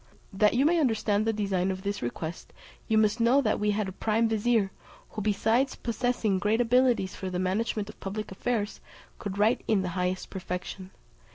That you may understand the design of this request, you must know that we had a prime vizier, who besides possessing great abilities for the management of public affairs could write in the highest perfection.